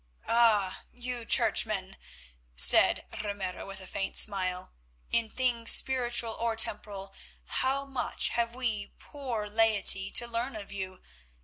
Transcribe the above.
"Ah! you churchmen," said Ramiro, with a faint smile, "in things spiritual or temporal how much have we poor laity to learn of you!"